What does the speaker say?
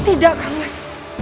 tidak kang mas